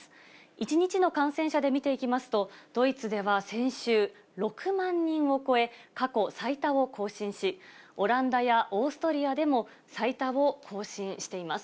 １日の感染者で見ていきますと、ドイツでは先週６万人を超え、過去最多を更新し、オランダやオーストリアでも最多を更新しています。